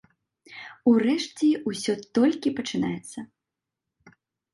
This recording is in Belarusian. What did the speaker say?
Урэшце, усё толькі пачынаецца!